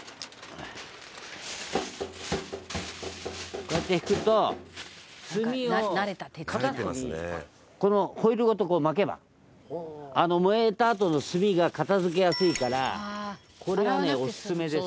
こうやって敷くと炭をかたす時にこのホイルごと巻けば燃えたあとの炭が片付けやすいからこれはねおすすめですよ。